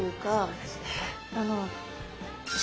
そうですね。